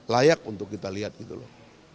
layak untuk kita lihat gitu loh